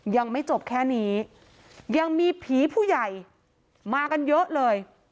ยังไม่จบแค่นี้ยังมีผีผู้ใหญ่มากันเยอะเลย